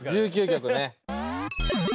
１９曲ね。